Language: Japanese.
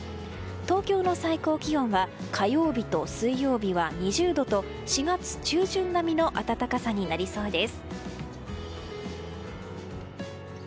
東京の最高気温は火曜日と水曜日は２０度と４月中旬並みの暖かさになりそうです。